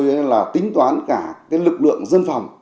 đã tính toán cả cái lực lượng dân phòng